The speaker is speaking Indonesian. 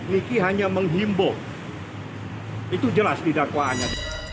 liki hanya menghimbau itu jelas di dakwaannya